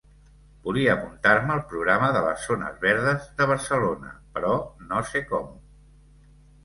Volia apuntar-me al programa de les zones verdes de Barcelona, però no sé com.